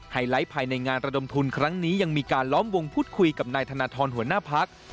ไลท์ภายในงานระดมทุนครั้งนี้ยังมีการล้อมวงพูดคุยกับนายธนทรหัวหน้าพัก